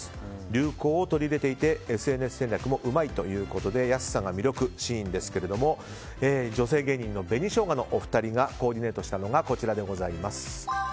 流行を取り入れていてＳＮＳ戦略もうまいということで安さが魅力のＳＨＥＩＮですけど女性芸人の紅しょうがのお二人がコーディネートしたのがこちらでございます。